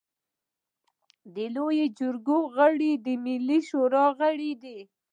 د لويې جرګې غړي د ملي شورا غړي دي.